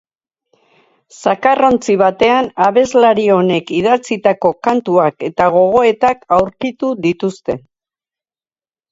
Zakarrontzi batean abeslari honek idatzitako kantuak eta gogoetak aurkitu dituzte.